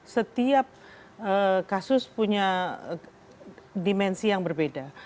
setiap kasus punya dimensi yang berbeda